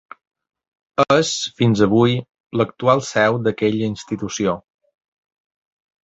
És, fins avui, l'actual seu d'aquella institució.